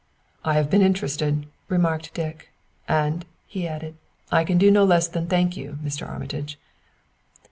"I have been interested," remarked Dick; "and," he added, "I can not do less than thank you, Mr. Armitage."